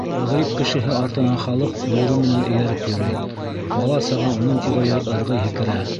Мәғриб кешеһе артынан халыҡ өйөрө менән эйәреп йөрөй, бала-саға уның тирәләй ырғый-һикерә: